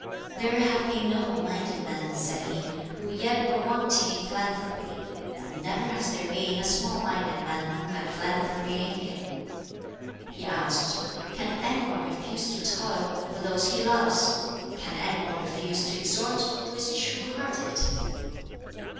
"There have been noble minded men," said he, "who yet were wanting in philanthropy; but never has there been a small minded man who had philanthropy in him." He asked, "Can any one refuse to toil for those he loves? Can any one refuse to exhort, who is true hearted?"